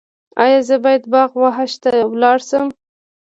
ایا زه باید باغ وحش ته لاړ شم؟